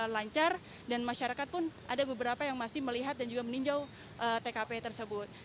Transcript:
lancar dan masyarakat pun ada beberapa yang masih melihat dan juga meninjau tkp tersebut